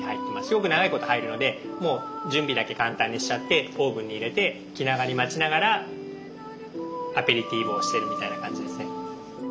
すごく長いこと入るのでもう準備だけ簡単にしちゃってオーブンに入れて気長に待ちながらアペリティーボをしてるみたいな感じですね。